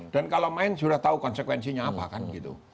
dan kalau main sudah tahu konsekuensinya apa kan gitu